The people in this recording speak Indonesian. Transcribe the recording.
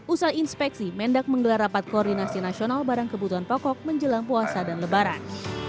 usai inspeksi mendak menggelar rapat koordinasi nasional barang kebutuhan pokok menjelang puasa dan lebaran